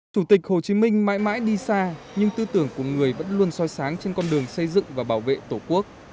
chủ tịch hồ chí minh mãi mãi đi xa nhưng tư tưởng của người vẫn luôn soi sáng trên con đường xây dựng và bảo vệ tổ quốc